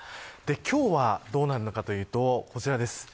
今日はどうなるのかというとこちらです。